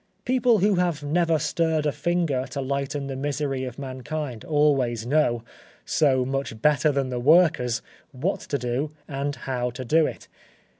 People who have never stirred a finger to lighten the misery of mankind always know, so much better than the workers, what to do and how to do it.